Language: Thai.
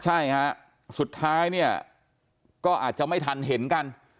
ใช่สุดท้ายก็อาจจะไม่ทันเห็นกัน